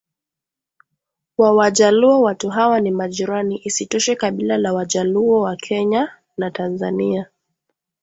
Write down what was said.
wa Wajaluo watu hawa ni majirani Isitoshe kabila la Wajaluo wa Kenya na Tanzania